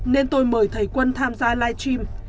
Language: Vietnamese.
nên tôi mời thầy quân tham gia live stream